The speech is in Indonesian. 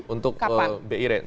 untuk bi rate